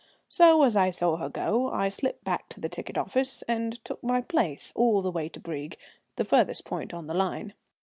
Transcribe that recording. So as I saw her go, I slipped back to the ticket office and took my place all the way to Brieg, the furthest point on the line.